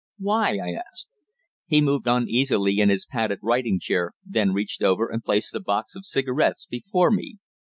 "Why?" I asked. He moved uneasily in his padded writing chair, then reached over and placed a box of cigarettes before me.